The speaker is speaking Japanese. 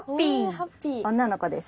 女の子です。